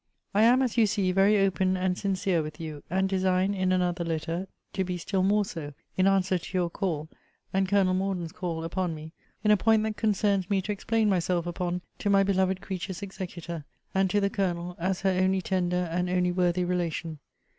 I am, as you see, very open and sincere with you; and design in another letter to be still more so, in answer to your call, and Colonel Morden's call, upon me, in a point that concerns me to explain myself upon to my beloved creature's executor, and to the Colonel, as her only tender and only worthy relation.